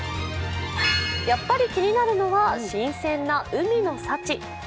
やっぱり気になるのは新鮮は海の幸。